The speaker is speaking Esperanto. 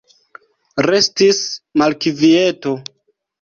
Restis malkvieto.